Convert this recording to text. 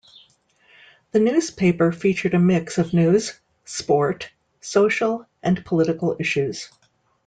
The newspaper featured a mix of news, sport, social and political issues.